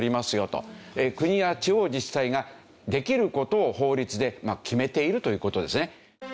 国や地方自治体ができる事を法律で決めているという事ですね。